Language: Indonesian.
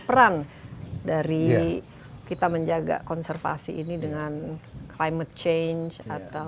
peran dari kita menjaga konservasi ini dengan climate change atau